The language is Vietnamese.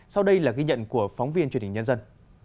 sau đây là ghi nhận của phóng viên truyền hình nhân dân